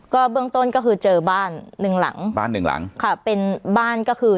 ก็เบื้องต้นก็คือเจอบ้านหนึ่งหลังบ้านหนึ่งหลังค่ะเป็นบ้านก็คือ